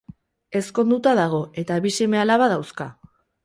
Ezkonduta dago eta bi seme-alaba dauzka.